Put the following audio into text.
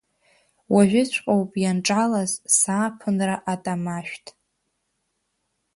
Уажәыҵәҟьоуп ианҿалаз, сааԥынра атамашәҭ.